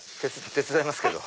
手伝いますけど。